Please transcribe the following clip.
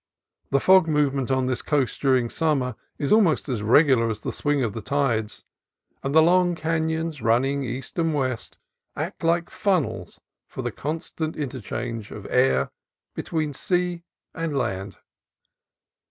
The fog movement on this coast during summer is almost as regular as the swing of the tides, and the long canons running east and west act like funnels for the constant inter change of air between sea and land.